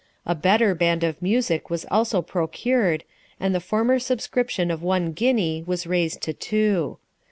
A better band of music was also procured, and the former subscription of one guinea was raised to two.